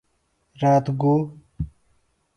رات گُو۔